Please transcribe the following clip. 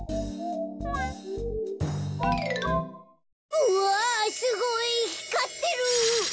うわすごいひかってる！